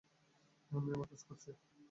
আমি আমার কাজ করছি।